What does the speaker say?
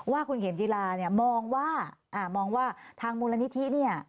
ว่าคุณเขมศิลาเนี่ยมองว่าทางมูลนิธิเนี่ย